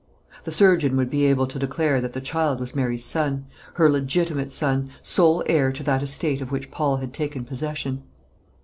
The surgeon would be able to declare that the child was Mary's son, her legitimate son, sole heir to that estate of which Paul had taken possession.